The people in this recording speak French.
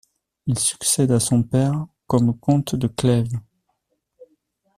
Il succède à son père comme comte de Clèves.